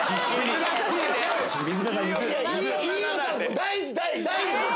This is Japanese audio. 大事大事！